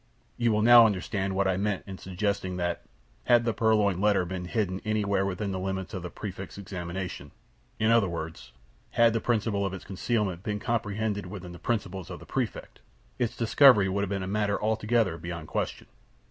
You will now understand what I meant in suggesting that, had the purloined letter been hidden anywhere within the limits of the Prefect's examination in other words, had the principle of its concealment been comprehended within the principles of the Prefect its discovery would have been a matter altogether beyond question.